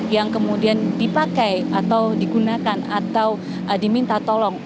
yang kemudian dipakai atau digunakan atau diminta tolong